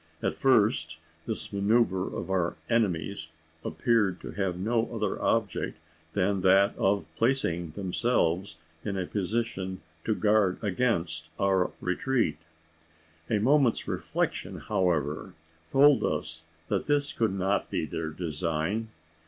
At first, this manoeuvre of our enemies appeared to have no other object than that of placing themselves in a position to guard against our retreat. A moment's reflection, however, told us that this could not be the design.